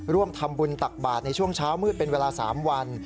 ร่วมทำบุญตักบาทในช่วงเช้ามืดเป็นเวลา๓วัน